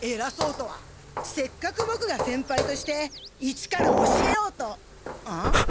せっかくボクが先輩として一から教えようとん？